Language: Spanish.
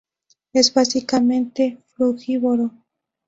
Es básicamente frugívoro.